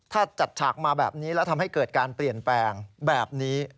ถ้าจัดฉากมาแบบนี้แล้วทำให้เกิดการเปลี่ยนแปลงแบบนี้